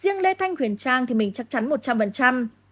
riêng lê thanh huyền trang thì mình chắc chắn một trăm linh